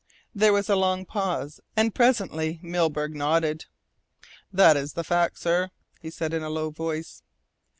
There was a long pause, and presently Milburgh nodded. "That is the fact, sir," he said in a low voice.